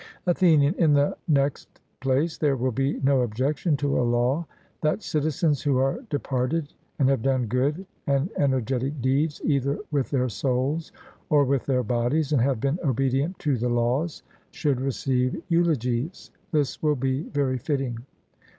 ATHENIAN: In the next place there will be no objection to a law, that citizens who are departed and have done good and energetic deeds, either with their souls or with their bodies, and have been obedient to the laws, should receive eulogies; this will be very fitting.